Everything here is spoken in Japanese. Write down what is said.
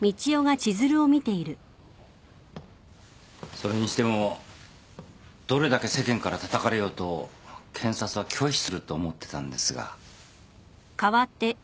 それにしてもどれだけ世間からたたかれようと検察は拒否すると思ってたんですが。